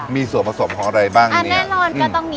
มีส่วนผสมของอะไรบ้างอ่าแน่นอนก็ต้องมี